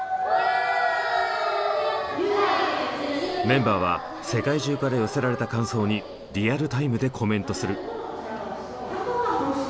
メンバーは世界中から寄せられた感想にリアルタイムでコメントする。